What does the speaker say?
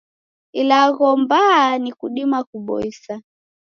Ilagho mbaa ni kudima kuboisa